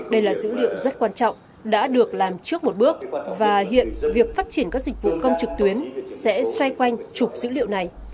đây là dữ liệu rất quan trọng đã được làm trước một bước và hiện việc phát triển các dịch vụ công trực tuyến sẽ xoay quanh chụp dữ liệu này